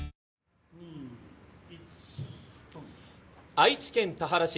愛知県田原市